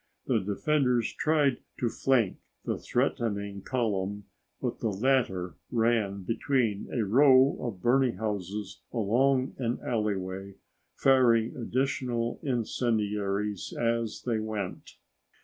The defenders tried to flank the threatening column but the latter ran between a row of burning houses along an alleyway, firing additional incendiaries as they went.